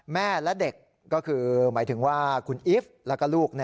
แม่และเด็กก็คือหมายถึงว่าคุณอีฟแล้วก็ลูก